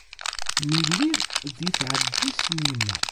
Mi lliɣ di tɛeddist n yemma.